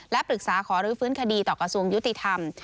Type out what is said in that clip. และปรึกษาขอรื้อฟื้นคดีต่อกระทรวงยุติธรรม